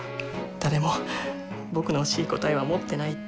誰も僕の欲しい答えは持ってないって。